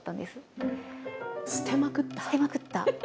捨てまくった。